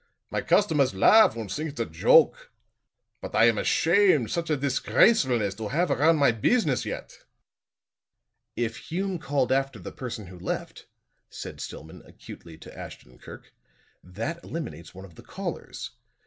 My customers laugh und think it's a joke; but I am ashamed such a disgracefulness to have around my business yet." "If Hume called after the person who left," said Stillman, acutely, to Ashton Kirk, "that eliminates one of the callers.